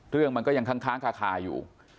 เรื่องมันก็ยังค้างคาอยู่